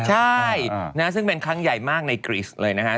ใช่ซึ่งเป็นครั้งใหญ่มากในกริสเลยนะฮะ